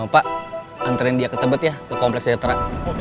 pak anterin dia ke tebet ya ke kompleks citra